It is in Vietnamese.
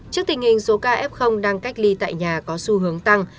trước tình hình số ca f đang cách ly tại nhà có xu hướng tăng